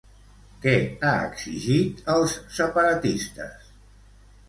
Què ha exigit als separatistes?